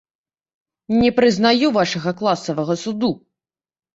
Не прызнаю вашага класавага суду!